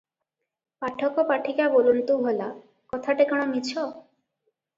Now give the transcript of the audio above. ପାଠକ ପାଠିକା ବୋଲନ୍ତୁ ଭଲା, କଥାଟା କଣ ମିଛ?